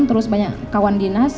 terus banyak kawan di nasi